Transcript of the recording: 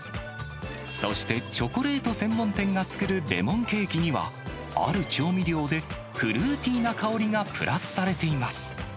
そして、チョコレート専門店が作るレモンケーキには、ある調味料でフルーティーな香りがプラスされています。